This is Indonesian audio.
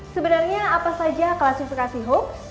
sebenarnya apa saja klasifikasi hoax